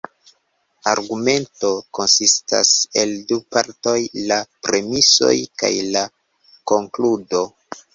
Argumento konsistas el du partoj: la premisoj kaj la konkludo.